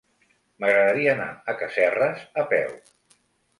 M'agradaria anar a Casserres a peu.